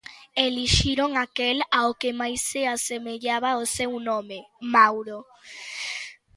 E elixiron aquel ao que máis se asemellaba o seu nome: Mauro.